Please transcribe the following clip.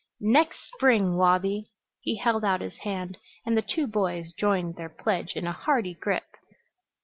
"Next spring, Wabi!" He held out his hand and the two boys joined their pledge in a hearty grip.